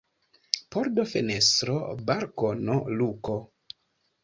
Pordo, fenestro, balkono, luko.